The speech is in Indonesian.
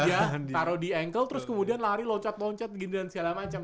ya taruh di ankle terus kemudian lari loncat loncat dan segala macam